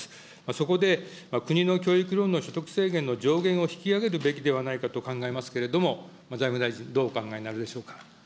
そこで国の教育ローンの所得制限の上限を引き上げるべきではないかと考えますけれども、財務大臣、どうお考えになるでしょうか。